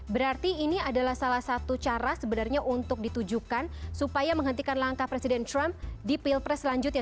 berarti ini adalah salah satu cara sebenarnya untuk ditujukan supaya menghentikan langkah presiden trump di pilpres selanjutnya